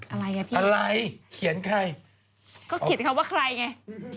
อะไรไงพี่อะไรเขียนใครก็เขียนคำว่าใครไง